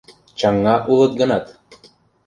Чаҥга улыт гынат...